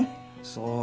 そう。